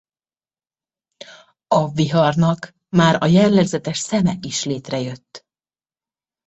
A viharnak már a jellegzetes szeme is létrejött.